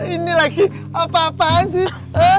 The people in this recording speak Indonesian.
ini lagi apa apaan sih